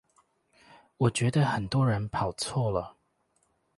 我覺得很多人跑錯了